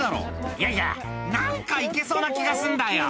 「いやいや何か行けそうな気がすんだよ」